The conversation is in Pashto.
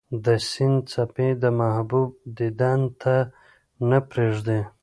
د سیند څپې د محبوب دیدن ته نه پرېږدي.